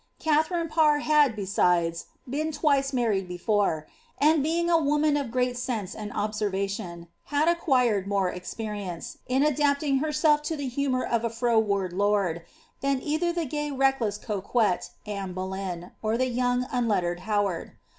Katharine Parr had, besides, been twice married before, and, being a woman of great sense and observation, had acquired nore experience, in adapting herself to the humour of a froward lord, than either the gay, reckless coquette, Anne Boleyn, or the young, un lettered Howard.